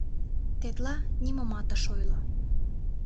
— Тетла нимомат ыш ойло.